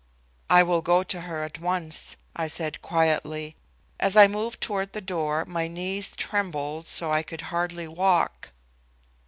"I will go to her at once," I said quietly. As I moved toward the door my knees trembled so I could hardly walk.